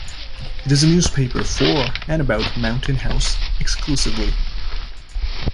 It is a newspaper for and about Mountain House exclusively.